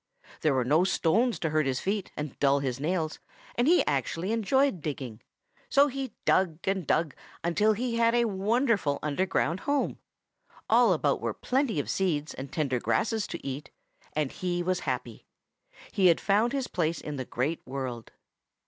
There were no stones to hurt his feet and dull his nails, and he actually enjoyed digging. So he dug and dug until he had a wonderful underground home. All about were plenty of seeds and tender grasses to eat, and he was happy. He had found his place in the Great World.